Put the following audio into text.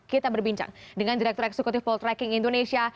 kita berbincang dengan direktur eksekutif poltreking indonesia